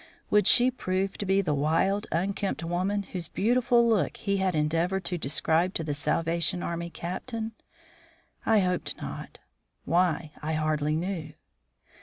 Would she prove to be the wild, unkempt woman whose beautiful look he had endeavoured to describe to the Salvation Army Captain? I hoped not; why, I hardly knew.